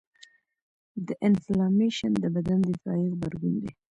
د انفلامیشن د بدن دفاعي غبرګون دی.